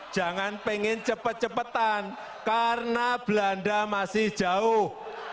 jangan pengen cepet cepetan karena belanda masih jauh